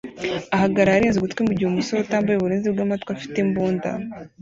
ahagarara arinze ugutwi mugihe umusore utambaye uburinzi bwamatwi afite imbunda